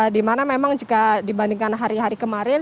dimana memang jika dibandingkan hari hari kemarin